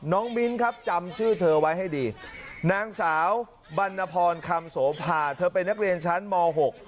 มิ้นครับจำชื่อเธอไว้ให้ดีนางสาวบรรณพรคำโสภาเธอเป็นนักเรียนชั้นม๖